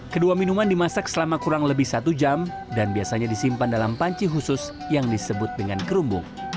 kedua minuman dimasak selama kurang lebih satu jam dan biasanya disimpan dalam panci khusus yang disebut dengan kerumbung